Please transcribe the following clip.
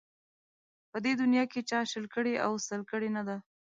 په دې دنیا کې چا شل کړي او سل کړي نه ده